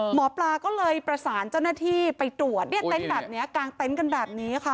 หมอปลาก็เลยประสานเจ้าหน้าที่ไปตรวจเนี่ยเต็นต์แบบนี้กางเต็นต์กันแบบนี้ค่ะ